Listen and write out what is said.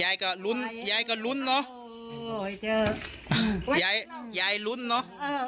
ยายก็ลุ้นยายก็ลุ้นเนอะโอ้โฮเจ้ายายยายลุ้นเนอะเออเออ